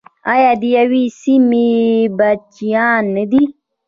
آیا د یوې سیمې بچیان نه دي؟